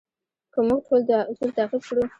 که موږ ټول دا اصول تعقیب کړو.